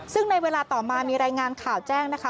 ซึ่งในเวลาต่อมามีรายงานข่าวแจ้งนะคะ